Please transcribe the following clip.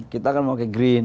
kita akan memakai green